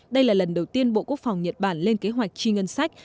đây là lần đầu tiên bộ quốc phòng nhật bản lên kế hoạch chi ngân sách